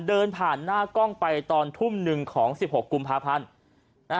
เดินผ่านหน้ากล้องไปตอนทุ่มหนึ่งของสิบหกกลุ่มพาพันธุ์นะฮะ